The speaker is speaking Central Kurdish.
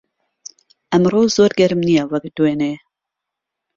ئەمڕۆ زۆر گەرم نییە وەک دوێنێ.